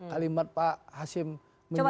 kalimat pak hasim menyebutkan